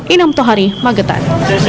inam tohari magetan